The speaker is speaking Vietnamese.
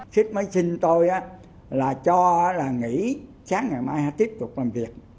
sít mới xin tôi là cho là nghỉ sáng ngày mai tiếp tục làm việc